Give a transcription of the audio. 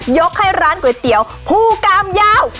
ให้ร้านก๋วยเตี๋ยวภูกามยาว